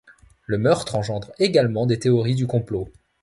Le meurtre engendre également des théories du complot.